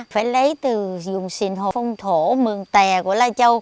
phải lấy từ dùng xìn hồ phong thổ mường tè của lai châu